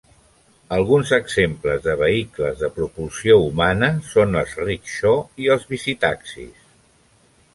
Alguns exemples de vehicles de propulsió humana són els rickshaw i els bicitaxis.